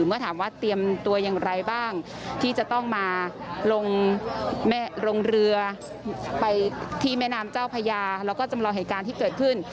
เมื่อถามว่าเตรียมตัวอย่างไรบ้างที่จะต้องมาลงเรือไปที่แม่น้ำเจ้าพญาแล้วก็จำลองเหตุการณ์ที่เกิดขึ้น